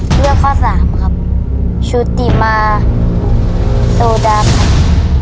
เลือกข้อ๓ครับชุติมาโสดาพัก